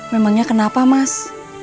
memangnya kenapa mas